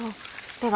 では